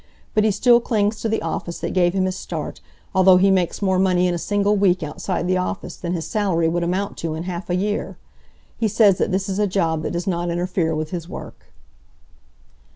But he still clings to the office that gave him his start, although he makes more money in a single week outside the office than his salary would amount to in half a year. He says that this is a job that does not interfere with his work."